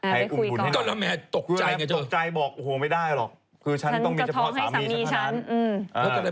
ไปคุยก่อนนะครับตกใจบอกโอ้โหไม่ได้หรอกคือฉันต้องมีเฉพาะสามีเฉพาะนั้น